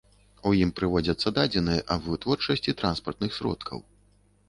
У ім прыводзяцца дадзеныя аб вытворчасці транспартных сродкаў.